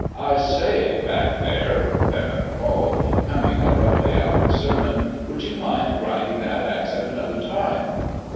" I say, back there !" Fairmeadow called, com ing abruptly out of his sermon, " would you mind grinding that axe at another time